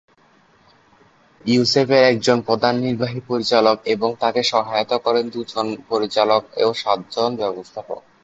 ইউসেপের প্রধান একজন নির্বাহী পরিচালক এবং তাকে সহায়তা করেন দুজন পরিচালক ও সাতজন ব্যবস্থাপক।